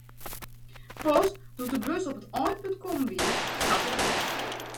Pas doe't de bus op it einpunt kommen wie, stapte hja út.